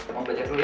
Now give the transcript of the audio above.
mau belajar dulu ya